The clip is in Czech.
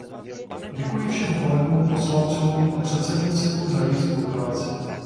Děkuji všem kolegům poslancům a předsednictvu za jejich spolupráci.